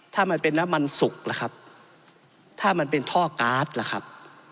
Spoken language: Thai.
ถ้ามันเป็นน้ำมันสุกล่ะครับถ้ามันเป็นท่อการ์ดล่ะครับ